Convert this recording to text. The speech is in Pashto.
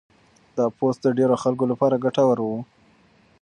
دا پوسټ د ډېرو خلکو لپاره ګټور و.